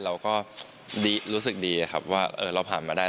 เราก็รู้สึกดีครับว่าเราผ่านมาได้